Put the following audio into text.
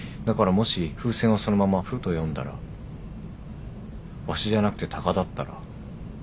だからもし風船をそのまま「ふ」と読んだらワシじゃなくてタカだったら。